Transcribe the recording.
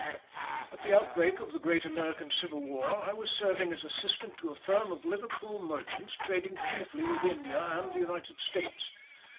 At the outbreak of the great American Civil War I was serving as assistant to a firm of Liverpool merchants trading chiefly with India and the United States.